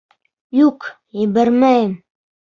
Юҡ, ебәрмәйем!